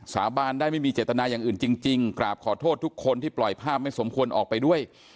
สาบานได้ไม่มีเจตนาอย่างอื่นจริงกราบขอโทษทุกคนที่ปล่อยภาพไม่สมควรออกไปด้วย